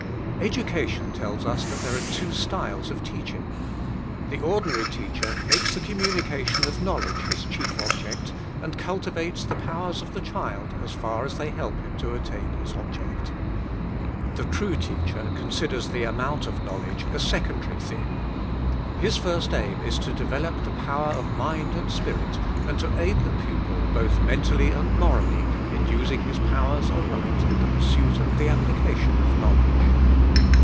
Education tells us that there are two styles of teaching. The ordinary teacher makes the com munication of knowledge his chief object, and cultivates the powers of the child as far as they help him to attain his object. The true teacher considers the amount of knowledge a secondary thing. His first aim is to develop the power of mind and spirit, and to aid the pupil, both men tally and morally, in using his powers aright in the pursuit and the application of knowledge.